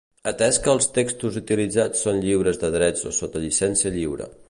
Atès que els textos utilitzats són lliures de drets o sota llicència lliure.